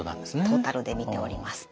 トータルで見ております。